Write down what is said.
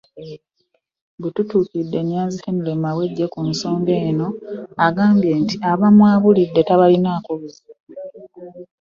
Bwe tutuukiridde Nyanzi Henry Mawejje ku nsonga eno, agambye nti abamwabulidde tabalinaako buzibu